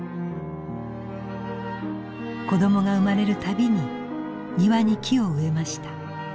子どもが生まれるたびに庭に木を植えました。